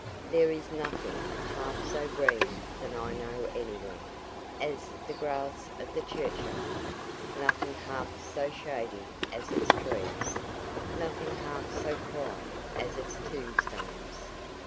There is nothing half so green that I know anywhere, as the grass of that churchyard; nothing half so shady as its trees; nothing half so quiet as its tombstones.